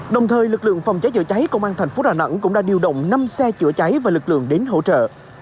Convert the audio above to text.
đồng thời lực lượng phòng cháy chữa cháy công an thành phố đà nẵng cũng đã điều động năm xe chữa cháy và lực lượng đến hỗ trợ